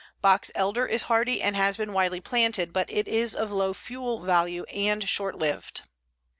Box elder is hardy and has been widely planted, but it is of low fuel value and short lived.